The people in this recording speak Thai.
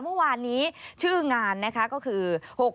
เมื่อวานนี้ชื่องานนะคะก็คือ